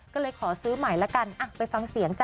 ก็เลยขอซื้อใหม่ละกันไปฟังเสียงจ้